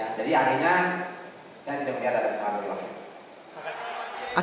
akhirnya saya tidak melihat ada kesalahan